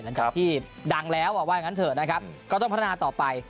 หลังจากที่ดังแล้วว่าอย่างนั้นเถอะนะครับก็ต้องพัฒนาต่อไป